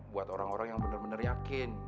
buat orang orang yang bener bener yakin